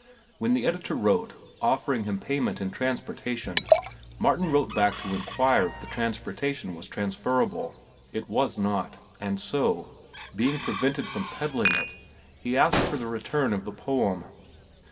When the editor wrote, offering him payment in transportation, Martin wrote back to inquire if the transportation was transferable. It was not, and so, being prevented from peddling it, he asked for the return of the poem.